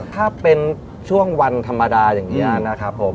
ถ้าเป็นช่วงวันธรรมดาอย่างนี้นะครับผม